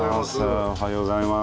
おはようございます。